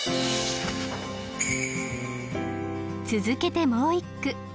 続けてもう一句。